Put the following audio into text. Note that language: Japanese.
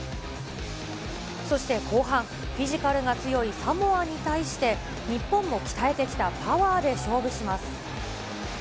そして後半、フィジカルが強いサモアに対して、日本も鍛えてきたパワーで勝負します。